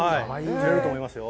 釣れると思いますよ。